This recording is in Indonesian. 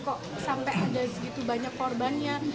kok sampai ada segitu banyak korbannya